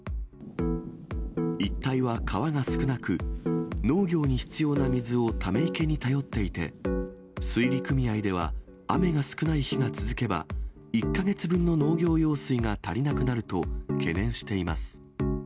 一帯は川が少なく、農業に必要な水をため池に頼っていて、水利組合では、雨が少ない日が続けば、１か月分の農業用水が足りなくなると懸念しています。